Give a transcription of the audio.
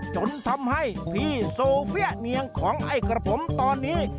จนทำให้พี่โซเฟียเนียงของไอ้กระผมตอนนี้